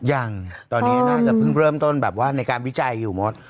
ยังตอนนี้น่าจะเพิ่งเริ่มต้นแบบว่าในการวิจัยอยู่มด